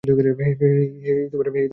হেই এখানে আয়।